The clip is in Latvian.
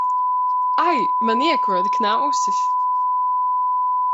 Ai, man iekoda knausis!